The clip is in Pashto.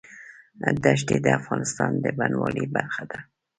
دښتې د افغانستان د بڼوالۍ برخه ده.